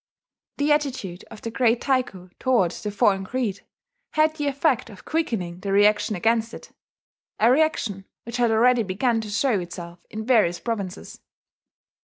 The attitude of the great Taiko toward the foreign creed had the effect of quickening the reaction against it, a reaction which had already begun to show itself in various provinces.